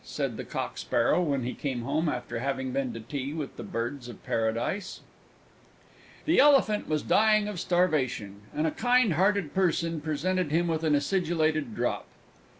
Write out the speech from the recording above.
said the Cocksparrow, when he came home after having been to tea with the Birds of Paradise. The Elephant was dying of starvation, and a kind hearted person presented him with an acidulated drop.